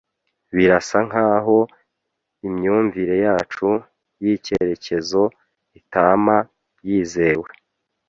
Birasa nkaho imyumvire yacu yicyerekezo itama yizewe.